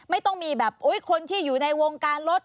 ไม่ต้องมีแบบคนที่อยู่ในวงการรถ